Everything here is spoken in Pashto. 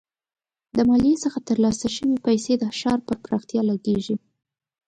د مالیې څخه ترلاسه شوي پیسې د ښار پر پراختیا لګیږي.